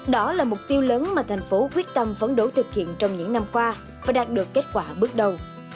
đó là mục tiêu lớn mà thành phố quyết tâm phấn đấu thực hiện trong những năm qua và đạt được kết quả bước đầu